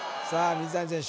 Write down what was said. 水谷選手